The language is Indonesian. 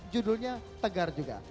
judulnya tegar juga